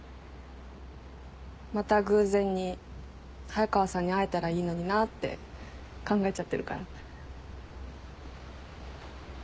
また偶然に早川さんに会えたらいいのになって考えちゃってるから。